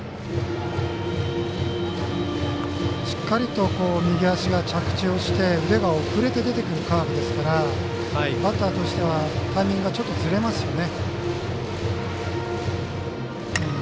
しっかりと右足が着地をして腕が遅れて出てくるカーブですからバッターとしてはタイミングがちょっとずれますよね。